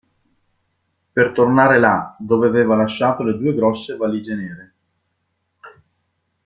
Per tornare là dove aveva lasciato le due grosse valige nere.